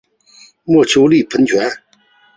墨丘利喷泉。